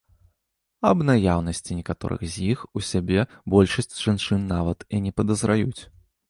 Аб наяўнасці некаторых з іх у сябе большасць жанчын нават і не падазраюць.